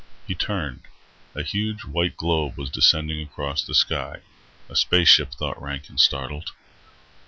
He turned. A huge, white globe was descending across the sky. A space ship, thought Rankin, startled.